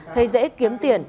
thay dễ kiếm tiền